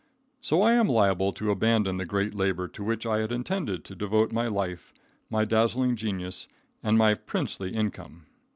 So I am liable to abandon the great labor to which I had intended to devote my life, my dazzling genius and my princely income.